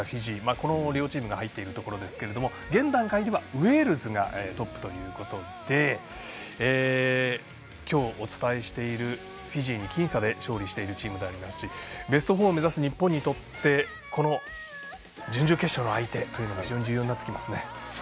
この両チームが入っているところですが現段階ではウェールズがトップということで今日、お伝えしているフィジーに僅差で勝利しているチームですしベスト４を目指す日本にとってこの準々決勝の相手というのが非常に重要になってきますね。